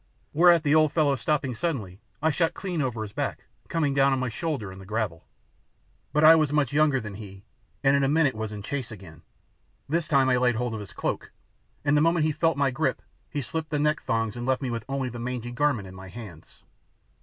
Whereat the old fellow stopping suddenly I shot clean over his back, coming down on my shoulder in the gravel. But I was much younger than he, and in a minute was in chase again. This time I laid hold of his cloak, and the moment he felt my grip he slipped the neck thongs and left me with only the mangy garment in my hands.